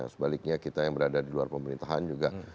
sebaliknya kita yang berada di luar pemerintahan juga